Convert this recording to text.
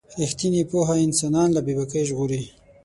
رښتینې پوهه انسان له بې باکۍ ژغوري.